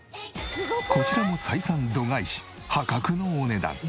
こちらも採算度外視破格のお値段。